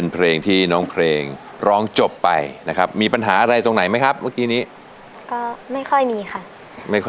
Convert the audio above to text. เพลงมีตอนนี้หลายนาที